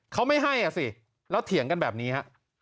เขาไม่ให้อ่ะสิแล้วเถียงกันแบบนี้ฮะ